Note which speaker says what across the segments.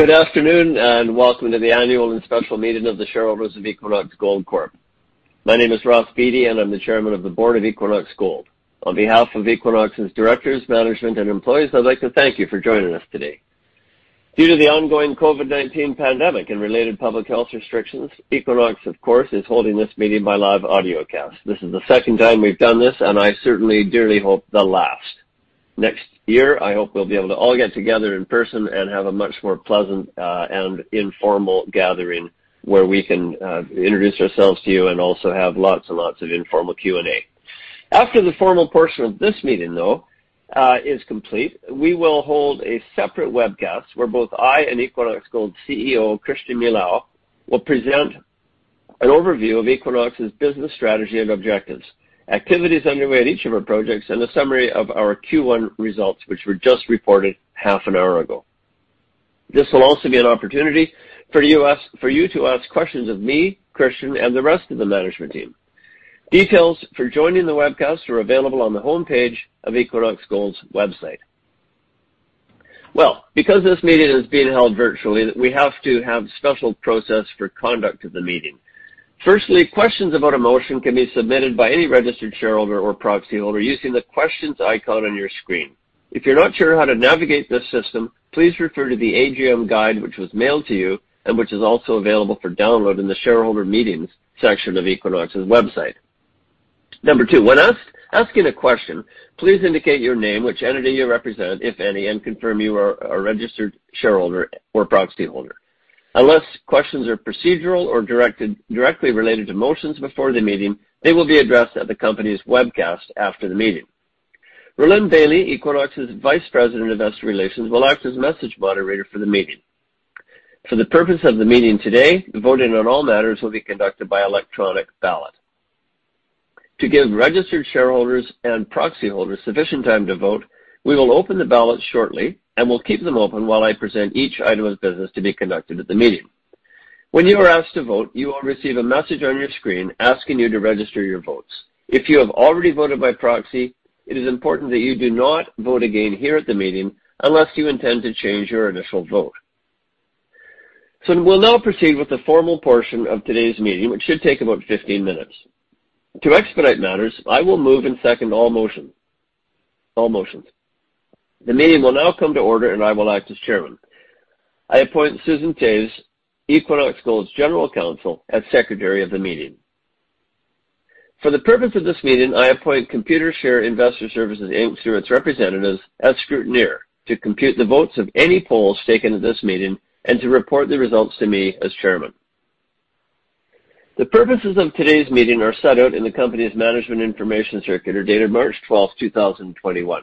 Speaker 1: Good afternoon, welcome to the Annual and Special Meeting of the Shareholders of Equinox Gold Corp. My name is Ross Beaty, and I'm the Chairman of the Board of Equinox Gold. On behalf of Equinox's directors, management, and employees, I'd like to thank you for joining us today. Due to the ongoing COVID-19 pandemic and related public health restrictions, Equinox, of course, is holding this meeting by live audiocast. This is the second time we've done this, and I certainly dearly hope the last. Next year, I hope we'll be able to all get together in person and have a much more pleasant, and informal gathering where we can introduce ourselves to you and also have lots and lots of informal Q&A. After the formal portion of this meeting is complete, we will hold a separate webcast where both I and Equinox Gold CEO, Christian Milau, will present an overview of Equinox's business strategy and objectives, activities underway at each of our projects, and a summary of our Q1 results, which were just reported half an hour ago. This will also be an opportunity for you to ask questions of me, Christian, and the rest of the management team. Details for joining the webcast are available on the homepage of Equinox Gold's website. Well, because this meeting is being held virtually, we have to have a special process for conduct of the meeting. Firstly, questions about a motion can be submitted by any registered shareholder or proxy holder using the questions icon on your screen. If you're not sure how to navigate this system, please refer to the AGM guide, which was mailed to you and which is also available for download in the shareholder meetings section of Equinox's website. Number two, when asking a question, please indicate your name, which entity you represent, if any, and confirm you are a registered shareholder or proxy holder. Unless questions are procedural or directly related to motions before the meeting, they will be addressed at the company's webcast after the meeting. Rhylin Bailie, Equinox's Vice President of Investor Relations, will act as message moderator for the meeting. For the purpose of the meeting today, voting on all matters will be conducted by electronic ballot. To give registered shareholders and proxy holders sufficient time to vote, we will open the ballot shortly, and we'll keep them open while I present each item of business to be conducted at the meeting. When you are asked to vote, you will receive a message on your screen asking you to register your votes. If you have already voted by proxy, it is important that you do not vote again here at the meeting unless you intend to change your initial vote. We'll now proceed with the formal portion of today's meeting, which should take about 15 minutes. To expedite matters, I will move and second all motions. The meeting will now come to order, and I will act as chairman. I appoint Susan Toews, Equinox Gold's General Counsel, as Secretary of the meeting. For the purpose of this meeting, I appoint Computershare Investor Services Inc., through its representatives, as scrutineer to compute the votes of any polls taken at this meeting and to report the results to me as Chairman. The purposes of today's meeting are set out in the company's management information circular dated March 12, 2021.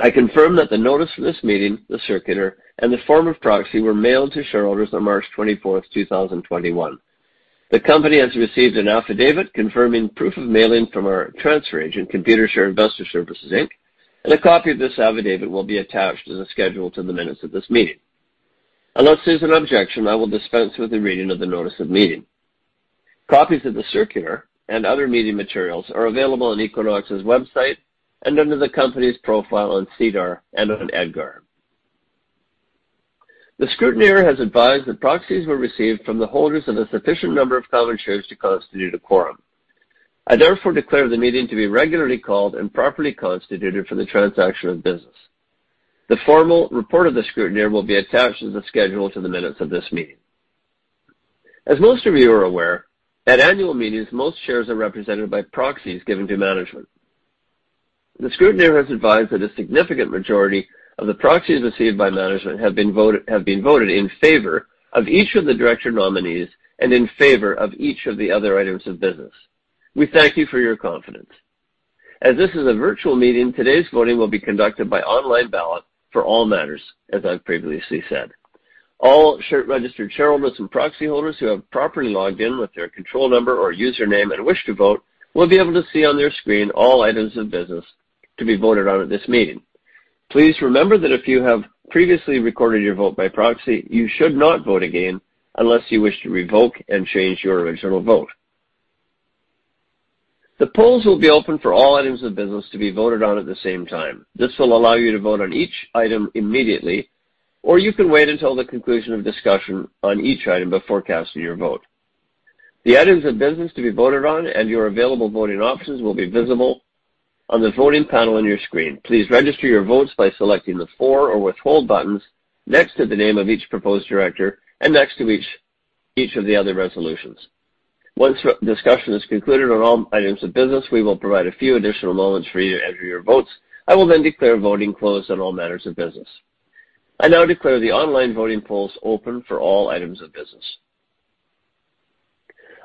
Speaker 1: I confirm that the notice for this meeting, the circular, and the form of proxy were mailed to shareholders on March 24th, 2021. The company has received an affidavit confirming proof of mailing from our transfer agent, Computershare Investor Services Inc., and a copy of this affidavit will be attached as a schedule to the minutes of this meeting. Unless there's an objection, I will dispense with the reading of the notice of meeting. Copies of the circular and other meeting materials are available on Equinox's website and under the company's profile on SEDAR and on EDGAR. The scrutineer has advised that proxies were received from the holders of a sufficient number of common shares to constitute a quorum. I therefore declare the meeting to be regularly called and properly constituted for the transaction of business. The formal report of the scrutineer will be attached as a schedule to the minutes of this meeting. As most of you are aware, at annual meetings, most shares are represented by proxies given to management. The scrutineer has advised that a significant majority of the proxies received by management have been voted in favor of each of the director nominees and in favor of each of the other items of business. We thank you for your confidence. As this is a virtual meeting, today's voting will be conducted by online ballot for all matters, as I've previously said. All registered shareholders and proxy holders who have properly logged in with their control number or username and wish to vote will be able to see on their screen all items of business to be voted on at this meeting. Please remember that if you have previously recorded your vote by proxy, you should not vote again unless you wish to revoke and change your original vote. The polls will be open for all items of business to be voted on at the same time. This will allow you to vote on each item immediately, or you can wait until the conclusion of discussion on each item before casting your vote. The items of business to be voted on and your available voting options will be visible on the voting panel on your screen. Please register your votes by selecting the for or withhold buttons next to the name of each proposed director and next to each of the other resolutions. Once discussion is concluded on all items of business, we will provide a few additional moments for you to enter your votes. I will then declare voting closed on all matters of business. I now declare the online voting polls open for all items of business.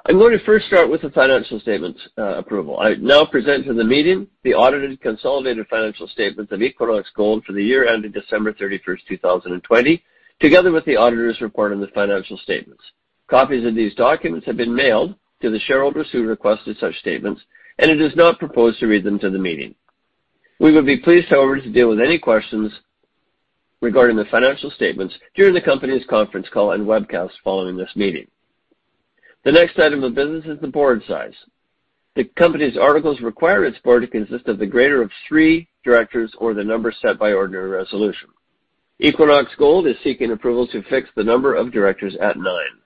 Speaker 1: I'm going to first start with the financial statements approval. I now present to the meeting the audited consolidated financial statements of Equinox Gold for the year ending December 31st, 2020, together with the auditor's report on the financial statements. Copies of these documents have been mailed to the shareholders who requested such statements, and it is not proposed to read them to the meeting. We would be pleased, however, to deal with any questions regarding the financial statements during the company's conference call and webcast following this meeting. The next item of business is the board size. The company's articles require its board to consist of the greater of three directors or the number set by ordinary resolution. Equinox Gold is seeking approval to fix the number of directors at nine.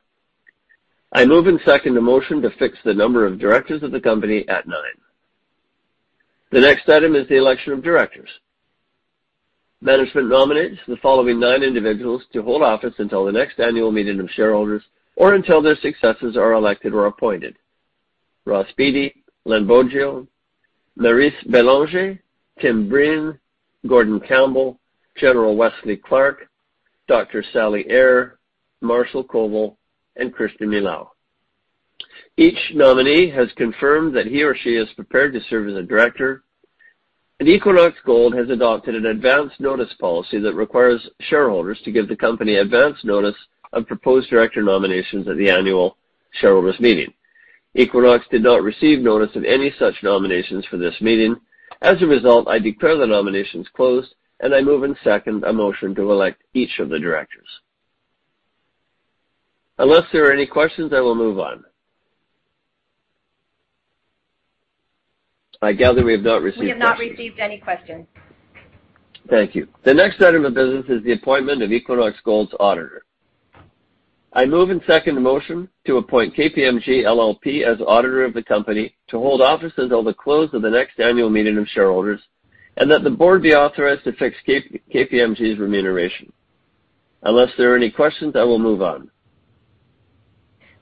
Speaker 1: I move and second the motion to fix the number of directors of the company at nine. The next item is the election of directors. Management nominates the following nine individuals to hold office until the next annual meeting of shareholders, or until their successors are elected or appointed. Ross Beaty, Lenard Boggio, Maryse Bélanger, Tim Breen, Gordon Campbell, General Wesley Clark, Dr. Sally Eyre, Marshall Koval, and Christian Milau. Each nominee has confirmed that he or she is prepared to serve as a director. Equinox Gold has adopted an advance notice policy that requires shareholders to give the company advance notice of proposed director nominations at the annual shareholders' meeting. Equinox did not receive notice of any such nominations for this meeting. As a result, I declare the nominations closed, and I move and second a motion to elect each of the directors. Unless there are any questions, I will move on. I gather we have not received questions.
Speaker 2: We have not received any questions.
Speaker 1: Thank you. The next item of business is the appointment of Equinox Gold's auditor. I move and second the motion to appoint KPMG LLP as auditor of the company to hold office until the close of the next annual meeting of shareholders, and that the board be authorized to fix KPMG's remuneration. Unless there are any questions, I will move on.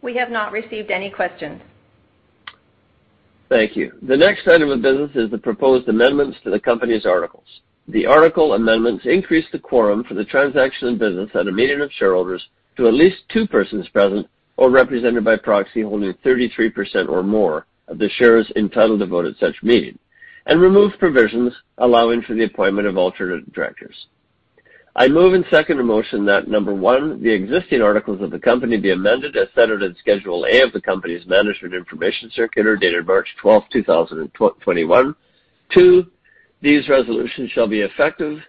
Speaker 2: We have not received any questions.
Speaker 1: Thank you. The next item of business is the proposed amendments to the company's articles. The article amendments increase the quorum for the transaction business at a meeting of shareholders to at least two persons present or represented by proxy holding 33% or more of the shares entitled to vote at such meeting and remove provisions allowing for the appointment of alternate directors. I move and second the motion that number one, the existing articles of the company be amended as set out at Schedule A of the company's management information circular, dated March 12th, 2021. Two, these resolutions shall be effective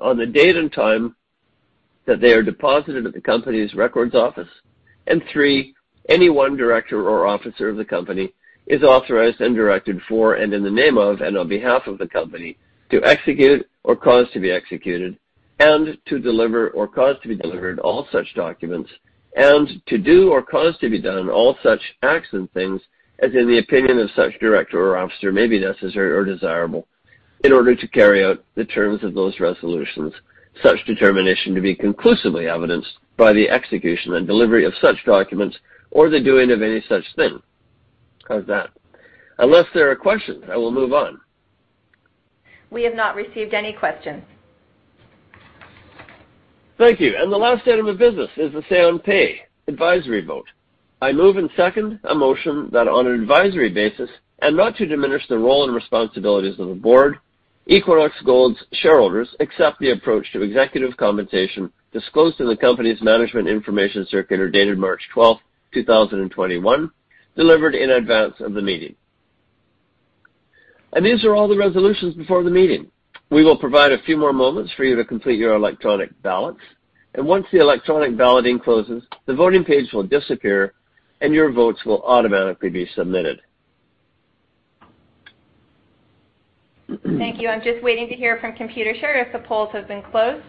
Speaker 1: on the date and time that they are deposited at the company's records office. Three, any one director or officer of the company is authorized and directed for and in the name of and on behalf of the company to execute or cause to be executed and to deliver or cause to be delivered all such documents and to do or cause to be done all such acts and things as in the opinion of such director or officer may be necessary or desirable in order to carry out the terms of those resolutions. Such determination to be conclusively evidenced by the execution and delivery of such documents or the doing of any such thing. How's that? Unless there are questions, I will move on.
Speaker 2: We have not received any questions.
Speaker 1: Thank you. The last item of business is the say on pay advisory vote. I move and second a motion that on an advisory basis and not to diminish the role and responsibilities of the board, Equinox Gold's shareholders accept the approach to executive compensation disclosed in the company's management information circular dated March 12th, 2021, delivered in advance of the meeting. These are all the resolutions before the meeting. We will provide a few more moments for you to complete your electronic ballots, and once the electronic balloting closes, the voting page will disappear, and your votes will automatically be submitted.
Speaker 2: Thank you. I'm just waiting to hear from Computershare if the polls have been closed.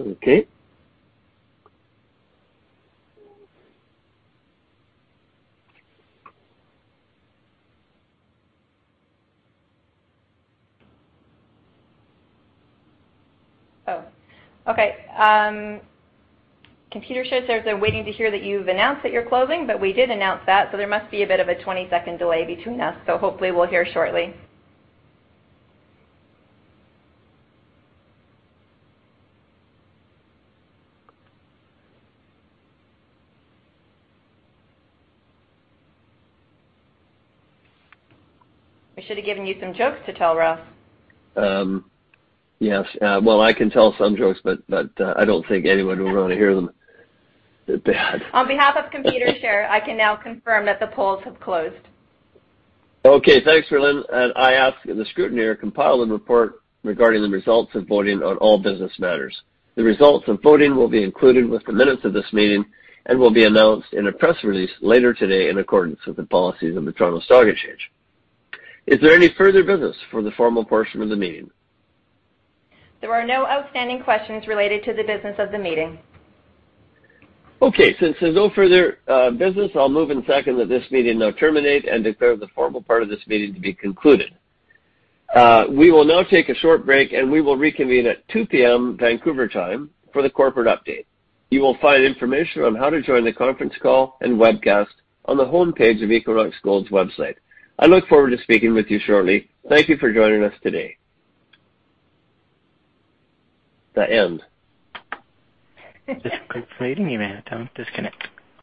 Speaker 1: Okay.
Speaker 2: Okay. Computershare says they're waiting to hear that you've announced that you're closing, but we did announce that, so there must be a bit of a 20-second delay between us. Hopefully we'll hear shortly. I should have given you some jokes to tell, Ross.
Speaker 1: Yes. Well, I can tell some jokes, but I don't think anyone would want to hear them. They're bad.
Speaker 2: On behalf of Computershare, I can now confirm that the polls have closed.
Speaker 1: Okay, thanks for that. I ask the scrutineer compile and report regarding the results of voting on all business matters. The results of voting will be included with the minutes of this meeting and will be announced in a press release later today in accordance with the policies of the Toronto Stock Exchange. Is there any further business for the formal portion of the meeting?
Speaker 2: There are no outstanding questions related to the business of the meeting.
Speaker 1: Okay, since there's no further business, I'll move and second that this meeting now terminate and declare the formal part of this meeting to be concluded. We will now take a short break, and we will reconvene at 2:00 P.M. Vancouver time for the corporate update. You will find information on how to join the conference call and webcast on the homepage of Equinox Gold's website. I look forward to speaking with you shortly. Thank you for joining us today. The end.
Speaker 3: This concludes the meeting. You may now disconnect.